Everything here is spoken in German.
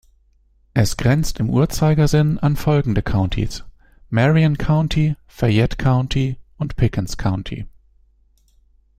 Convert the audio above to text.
Es grenzt im Uhrzeigersinn an folgende Countys: Marion County, Fayette County und Pickens County.